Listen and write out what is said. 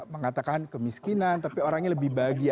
mengatakan kemiskinan tapi orangnya lebih bahagia